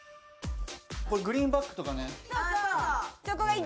グリーンバックとかね。